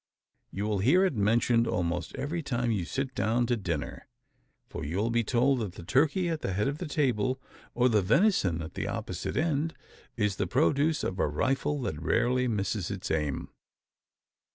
You will hear it mentioned, almost every time you sit down to dinner: for you will be told that the turkey at the head of the table, or the venison at its opposite end, is the produce of a rifle that rarely misses its aim.